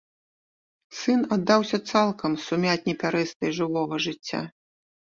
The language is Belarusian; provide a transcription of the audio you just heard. Сын аддаўся цалкам сумятні пярэстай жывога жыцця.